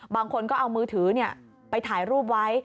บางคนก็เอามือถือไปถ่ายรูปไว้